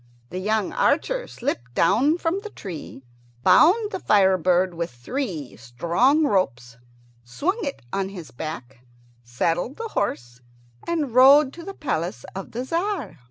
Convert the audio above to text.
The young archer slipped down from the tree, bound the fire bird with three strong ropes, swung it on his back, saddled the horse, and rode to the palace of the Tzar.